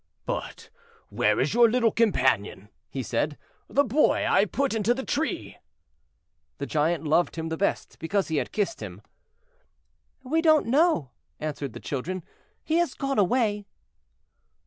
"But where is your little companion?" he said: "the boy I put into the tree." The Giant loved him the best because he had kissed him. "We don't know," answered the children; "he has gone away."